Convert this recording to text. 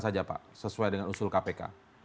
saja pak sesuai dengan usul kpk